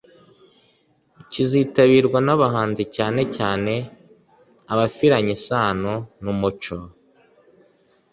kizitabirwa n’abahanzi cyane cyane abafiranye isano n’umuco